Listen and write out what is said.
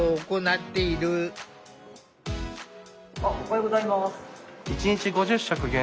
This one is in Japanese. おはようございます。